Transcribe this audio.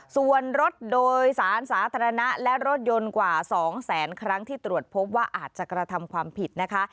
ส่วนรถโดยสารสาธารณะและรถยนต์กว่า๒แสนครั้งที่ตรวจพบว่าอาจจะกระทำความผิดนะคะ